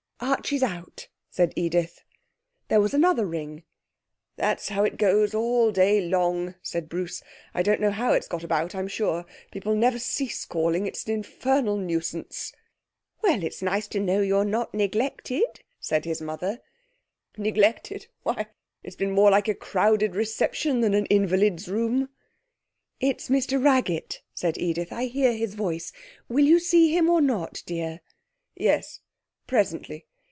'Archie's out,' said Edith. There was another ring. 'That's how it goes on all day long,' said Bruce. 'I don't know how it's got about, I'm sure. People never cease calling! It's an infernal nuisance.' 'Well, it's nice to know you're not neglected,' said his mother. 'Neglected? Why, it's been more like a crowded reception than an invalid's room.' 'It's Mr Raggett,' said Edith; 'I heard his voice. Will you see him or not, dear?' 'Yes. Presently.